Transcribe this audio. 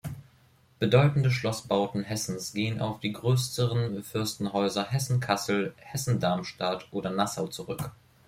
Bedeutende Schlossbauten Hessens gehen auf die größeren Fürstenhäuser Hessen-Kassel, Hessen-Darmstadt oder Nassau zurück.